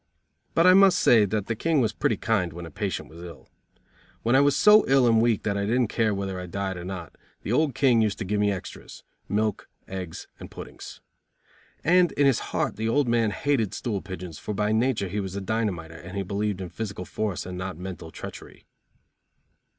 But I must say that the King was pretty kind when a patient was ill. When I was so ill and weak that I didn't care whether I died or not, the old King used to give me extras, milk, eggs and puddings. And in his heart the old man hated stool pigeons, for by nature he was a dynamiter and believed in physical force and not mental treachery.